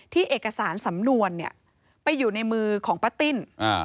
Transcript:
เอกสารสำนวนเนี่ยไปอยู่ในมือของป้าติ้น